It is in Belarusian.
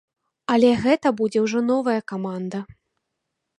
Але гэта будзе ўжо новая каманда.